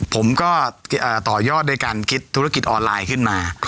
ผมก็ต่อยอดด้วยการคิดธุรกิจออนไลน์ขึ้นมา